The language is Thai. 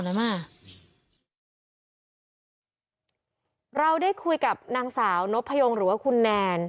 เรามาได้คุยกับนางสาวนพยงหรือว่าคุณแนน